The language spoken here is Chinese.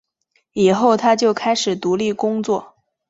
以后他就开始独立工作。